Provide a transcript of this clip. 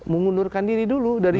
mengundurkan diri dulu dari